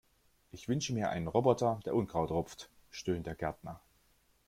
"Ich wünsche mir einen Roboter, der Unkraut rupft", stöhnt der Gärtner.